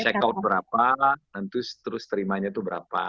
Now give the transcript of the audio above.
check out berapa dan terus terimanya itu berapa